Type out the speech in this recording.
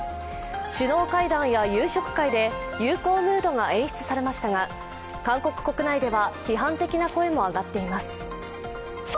首脳会談や夕食会で友好ムードが演出されましたが韓国国内では批判的な声も上がっています。